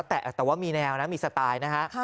แต่ว่ามีแนวนะมีสไตล์นะฮะ